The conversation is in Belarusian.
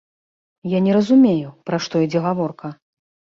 Я не разумею, пра што ідзе гаворка.